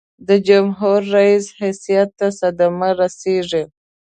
د جمهور رئیس حیثیت ته صدمه رسيږي.